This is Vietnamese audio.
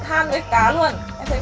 tham với cá luôn